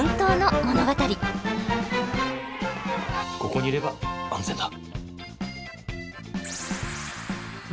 ここにいれば安全だ。